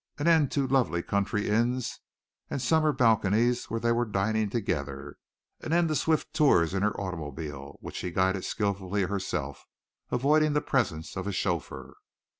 An end to lovely country inns and summer balconies where they were dining together! An end to swift tours in her automobile, which she guided skilfully herself, avoiding the presence of a chauffeur.